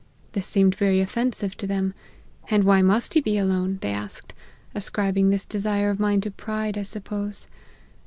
This seemed very offensive to them :' And why must he be alone ?' they asked ; ascribing this desire of mine to pride, I suppose.